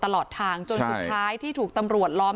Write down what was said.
จุดสุดท้ายที่ถูกตำรวจล้อม